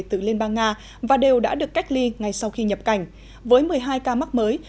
từ liên bang nga và đều đã được cách ly ngay sau khi nhập cảnh với một mươi hai ca mắc mới